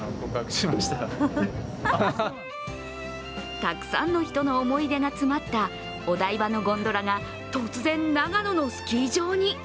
たくさんの人の思い出が詰まったお台場のゴンドラが突然長野のスキー場に。